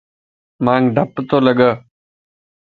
مانک ڊپَ تو لڳَ